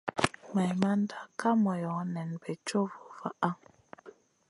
Maimanda Kay moyo nen bey co vo vaha.